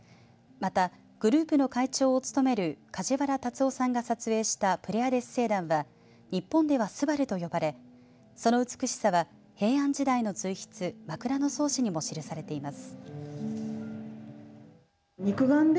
また、グループの会長を務める梶原達夫さんが撮影したプレアデス星団は日本では、すばると呼ばれその美しさは平安時代の随筆枕草子にも記されています。